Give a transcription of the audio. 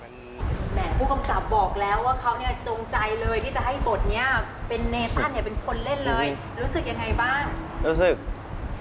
แหมผู้กำกับบอกแล้วว่าเขาเนี่ยจงใจเลยที่จะให้บทนี้เป็นเนตันเนี่ยเป็นคนเล่นเลยรู้สึกยังไงบ้างรู้สึก